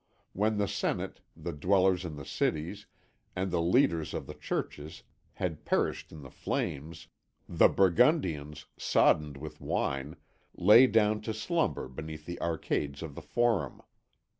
When the Senate, the dwellers in the cities, and the leaders of the churches had perished in the flames, the Burgundians, soddened with wine, lay down to slumber beneath the arcades of the Forum.